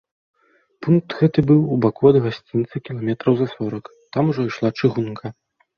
Пункт гэты быў у баку ад гасцінца кіламетраў за сорак, там ужо ішла чыгунка.